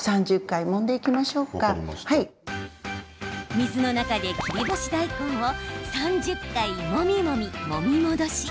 水の中で、切り干し大根を３０回もみもみ、もみ戻し。